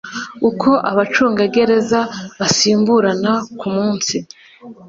uko abacungagereza basimburana ku munsi